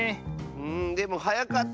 うんでもはやかった。